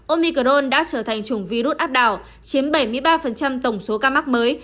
omicron đã trở thành chủng virus áp đảo chiếm bảy mươi ba tổng số ca mắc mới